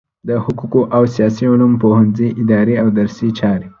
د حقوقو او سیاسي علومو پوهنځی اداري او درسي چارې